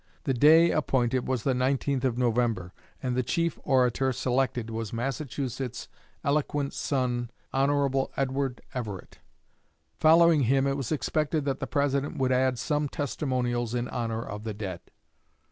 The day appointed was the 19th of November; and the chief orator selected was Massachusetts' eloquent son, Hon. Edward Everett. Following him it was expected that the President would add some testimonials in honor of the dead.